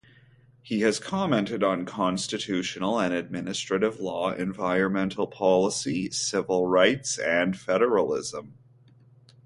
He has commented on constitutional and administrative law, environmental policy, civil rights, and federalism.